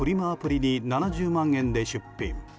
アプリに７０万円で出品。